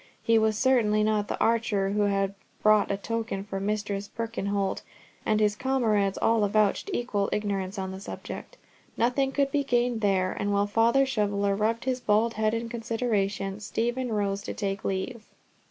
He was certainly not the archer who had brought a token for Mistress Birkenholt, and his comrades all avouched equal ignorance on the subject. Nothing could be gained there, and while Father Shoveller rubbed his bald head in consideration, Stephen rose to take leave.